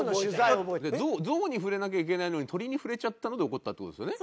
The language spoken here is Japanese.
象に触れなきゃいけないのに鳥に触れちゃったので怒ったっていう事ですよね？